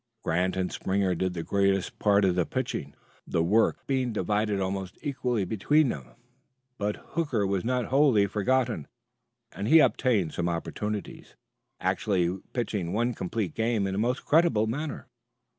Grant and Springer did the greater part of the pitching, the work being divided almost equally between them; but Hooker was not wholly forgotten, and he obtained some opportunities, actually pitching one complete game in a most creditable manner.